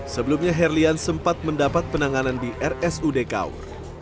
sebelumnya herlian sempat mendapat penanganan di rsud kaur